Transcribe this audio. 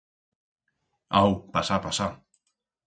Au, pasa, pasa.